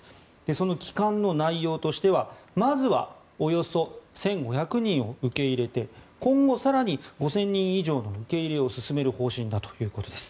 その帰還の内容としては、まずはおよそ１５００人を受け入れて今後、更に５０００人以上の受け入れを進める方針だということです。